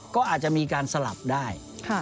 ก็อาจจะมีการสลับได้